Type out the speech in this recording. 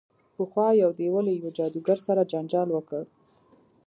پخوا یو دیو له یوه جادوګر سره جنجال وکړ.